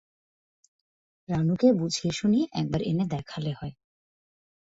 রানুকে বুঝিয়েসুঝিয়ে এক বার এনে দেখালে হয়।